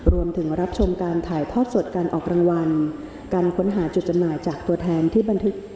รวมถึงรับชมการถ่ายทอดสดการออกรางวัลการค้นหาจุดจำหน่ายจากตัวแทนที่บันทึก